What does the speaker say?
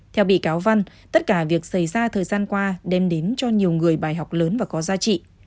theo bị cáo văn tất cả việc xảy ra thời gian qua đem đến cho nhiều người bài học lớn và có giá trị